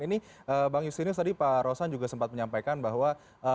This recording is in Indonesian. ini bang justinus tadi pak rosan juga sempat menyampaikan bahwa